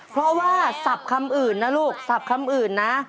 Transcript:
เพราะว่าสับคำอื่นนะลูกสับคำอื่นนะ